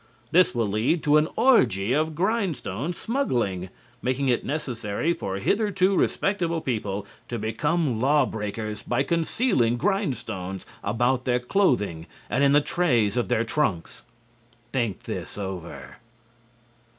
This will lead to an orgy of grindstone smuggling, making it necessary for hitherto respectable people to become law breakers by concealing grindstones about their clothing and in the trays of their trunks. Think this over.